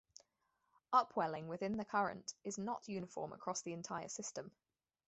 Upwelling within the current is not uniform across the entire system.